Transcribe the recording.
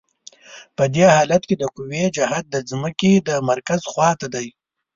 په هر حالت کې د قوې جهت د ځمکې د مرکز خواته دی.